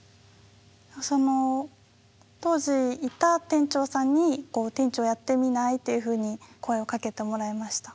当時いた店長さんに「店長やってみない？」っていうふうに声をかけてもらいました。